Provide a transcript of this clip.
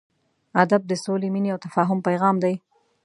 ادب د سولې، مینې او تفاهم پیغام دی.